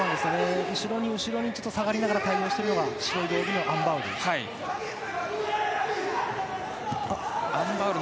後ろに後ろに下がりながら対応しているのが白い道着のアン・バウル。